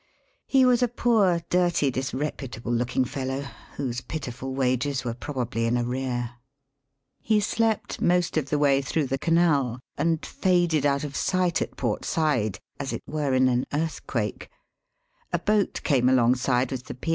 He was a poor, dirty, disreputable looking fellow, whose pitiful wages were pro bably in arrear. Digitized by VjOOQIC THKOUGH THE SUEZ CANAL. 351 He slept most of the way through the Canal, and faded out of sight at Port Said, as it were in an earthquake. A boat came along side with the P.